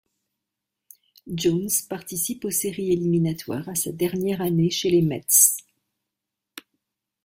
Jones participe aux séries éliminatoires à sa dernière année chez les Mets.